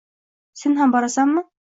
Sen ham borasanmi?